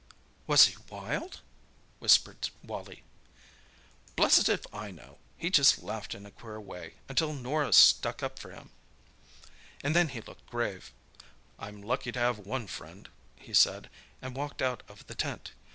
"Was he wild?" whispered Wally. "Blessed if I know. He just laughed in a queer way, until Norah stuck up for him, and then he looked grave. 'I'm lucky to have one friend,' he said, and walked out of the tent.